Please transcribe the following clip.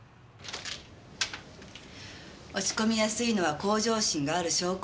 落ち込みやすいのは向上心がある証拠。